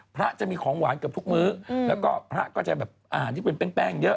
พระจะมีของหวานเกือบทุกมื้อแล้วก็พระก็จะแบบอาหารที่เป็นแป้งเยอะ